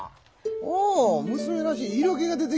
おお娘らしい色気が出てきよったわい。